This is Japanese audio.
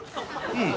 うん